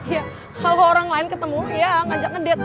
iya kalo orang lain ketemu lu ya ngajak ngedet